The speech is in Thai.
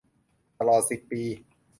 ตลอดสิบปี